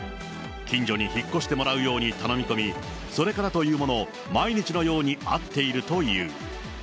近所に引っ越してもらうように頼み込み、それからというもの、毎日のように会っているという。